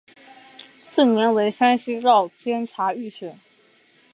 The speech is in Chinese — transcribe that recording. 次年为山西道监察御史。